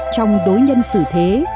trong đối nhân xử thế